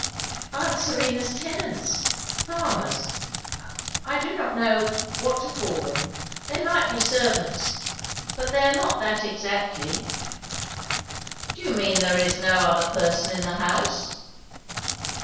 "Aunt Serena's tenants farmers I do not know what to call them. They might be servants, but they are not that exactly." "Do you mean that there is no other person in the house?"